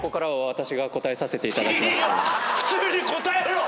普通に答えろ！